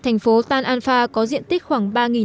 thành phố tan afar có diện tích khoảng